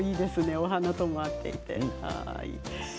お花とも合っていて。